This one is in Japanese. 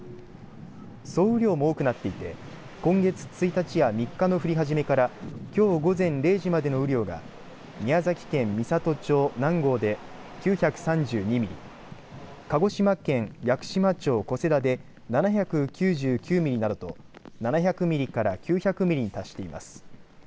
総雨量も多くなっていて今月１日や３日の降り始めからきょう午前０時までの雨量が宮崎県美郷町南郷で９３２ミリ、鹿児島県屋久島町小瀬田で７９９ミリなどと７００ミリから９００ミリに達しています。